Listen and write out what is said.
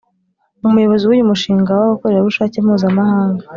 Umuyobozi w’uyu mushinga w’abakorerabushake mpuzamahanga